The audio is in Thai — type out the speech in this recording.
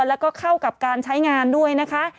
แล้วก็เข้ากับการใช้งานด้วยนะคะ